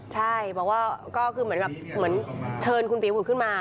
ใช่บอกว่าก็คือเหมือนเชิญคุณปี๋วพูดขึ้นมา